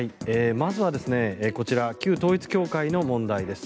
まずはこちら旧統一教会の問題です。